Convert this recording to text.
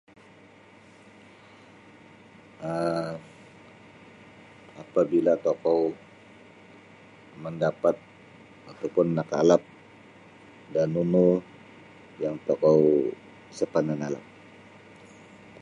um apabila tokou mandapat atau pun nakalap da nunu yang tokou sa parnah nalap.